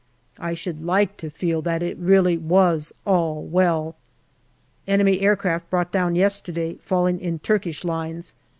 I should like t6 feel that it really was " all well." Enemy aircraft brought down yesterday, falling in Turkish lines.